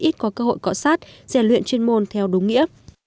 ít có cơ hội cọ sát rèn luyện chuyên môn theo đúng nghĩa